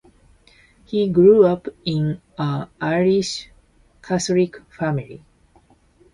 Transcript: He grew up in an Irish Catholic family.